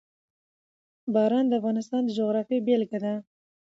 باران د افغانستان د جغرافیې بېلګه ده.